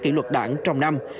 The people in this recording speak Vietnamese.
kỷ luật đảng trong năm